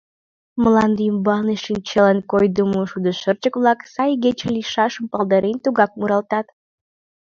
Мланде ӱмбалне шинчалан койдымо шудышырчык-влак, сай игече лийшашым палдарен, тугак муралтат.